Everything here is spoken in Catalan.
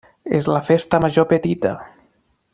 És la Festa Major petita.